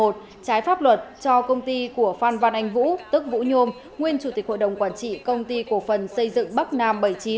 trái pháp luật cho công ty của phan văn anh vũ tức vũ nhôm nguyên chủ tịch hội đồng quản trị công ty cổ phần xây dựng bắc nam bảy mươi chín